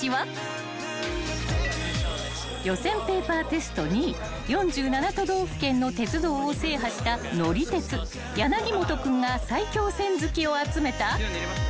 ［予選ペーパーテスト２位４７都道府県の鉄道を制覇した乗り鉄柳本君が埼京線好きを集めた］